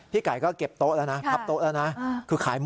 ไก่ก็เก็บโต๊ะแล้วนะพับโต๊ะแล้วนะ